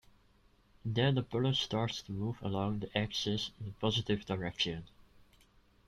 Then the puller starts to move along the axis in the positive direction.